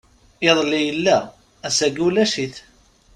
Iḍelli yella, ass-agi ulac-it!